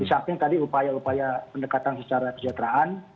di samping tadi upaya upaya pendekatan secara kesejahteraan